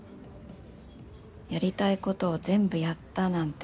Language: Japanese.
やりたいことを全部やったなんて